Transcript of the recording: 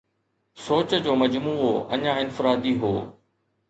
سوچ جو مجموعو اڃا انفرادي هو